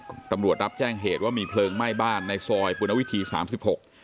ตำรวจรับแจ้งเหตุว่ามีเพลิงไหม้บ้านในซอยปุณวิธีสามสิบหก